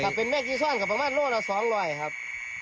ถ้าเป็นแมงกาซอนก็ประมาณ๒๐๐ครับ